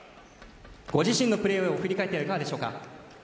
ご自身のプレーを振り返っていかがでしょうか？